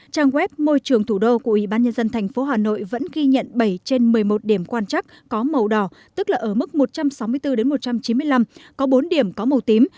trang web môi trường thủ đô của ủy ban nhân dân tp hà nội vẫn ghi nhận bảy trên một mươi một điểm quan trắc có màu đỏ tức là ở mức một trăm sáu mươi bốn một trăm chín mươi năm có bốn điểm có màu tím